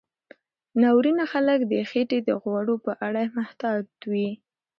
ناروینه خلک د خېټې د غوړو په اړه محتاط وي.